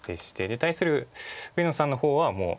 対する上野さんの方はもういきなり。